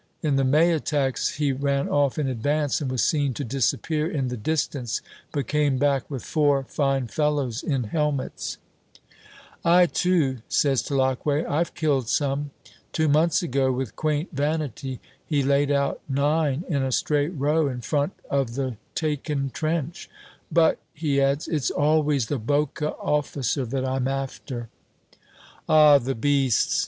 In the May attacks, he ran off in advance and was seen to disappear in the distance, but came back with four fine fellows in helmets. "I, too," says Tulacque, "I've killed some." Two months ago, with quaint vanity, he laid out nine in a straight row, in front of the taken trench. "But," he adds, "it's always the Boche officer that I'm after." "Ah, the beasts!"